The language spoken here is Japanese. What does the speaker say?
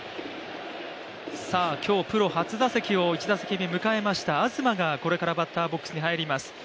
今日、プロ初打席を１打席目迎えました東がこれからバッターボックスに入ります。